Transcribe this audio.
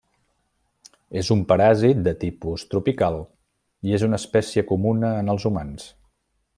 És un paràsit de tipus tropical i és una espècie comuna en els humans.